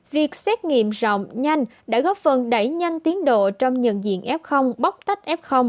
việc xét nghiệm rộng nhanh đã góp phần đẩy nhanh tiến độ trong nhận diện f bóc tách f